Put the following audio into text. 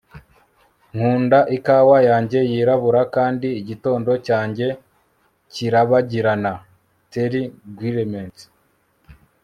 nkunda ikawa yanjye yirabura kandi igitondo cyanjye kirabagirana. - terri guillemets